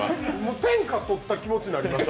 天下、とった気持ちになりました